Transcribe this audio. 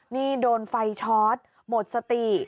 นี่โดนไฟช็อตหมดสติ